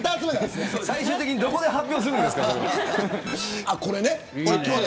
最終的にどこで発表するんですか。